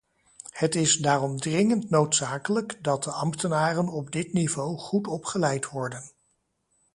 Het is daarom dringend noodzakelijk dat de ambtenaren op dit niveau goed opgeleid worden.